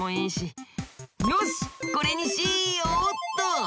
よしこれにしようっと！